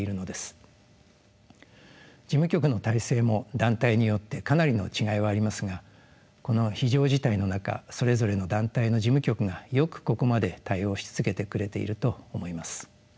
事務局の体制も団体によってかなりの違いはありますがこの非常事態の中それぞれの団体の事務局がよくここまで対応し続けてくれていると思います。